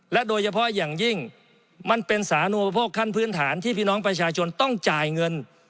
โดยเฉพาะอย่างยิ่งมันเป็นสานูปโภคขั้นพื้นฐานที่พี่น้องประชาชนต้องจ่ายเงิน